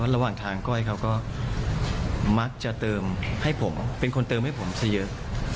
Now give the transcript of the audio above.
ระหว่างทางก้อยเขาก็มักจะเติมให้ผมเป็นคนเติมให้ผมซะเยอะ